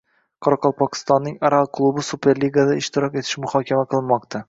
Qoraqalpog‘istonning «Aral» klubi superligada ishtirok etishi muhokama qilinmoqda